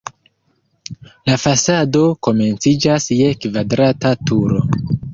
La fasado komenciĝas je kvadrata turo.